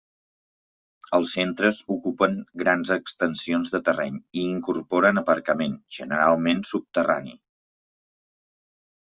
Els centres ocupen grans extensions de terreny i incorporen aparcament, generalment subterrani.